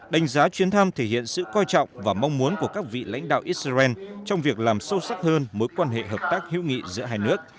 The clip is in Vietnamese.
đánh giá chuyến thăm thể hiện sự coi trọng và mong muốn của các vị lãnh đạo israel trong việc làm sâu sắc hơn mối quan hệ hợp tác hữu nghị giữa hai nước